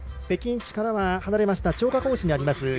北京市からは離れました張家口市にあります